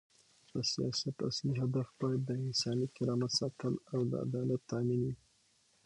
د سیاست اصلي هدف باید د انساني کرامت ساتل او د عدالت تامین وي.